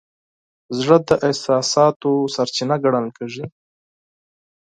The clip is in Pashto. زړه د احساساتو سرچینه ګڼل کېږي.